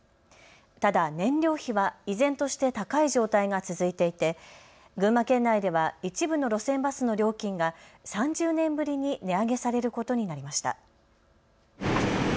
ただ燃料費は依然として高い状態が続いていて群馬県内では一部の路線バスの料金が３０年ぶりに値上げされることになりました。